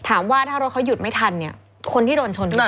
ถามว่าถ้ารถเขาหยุดไม่ทันเนี่ยคนที่โดนชนด้วย